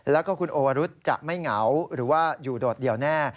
และคุณโอวรุษจะไม่เหงาหรืออยู่โดดเดียวแน่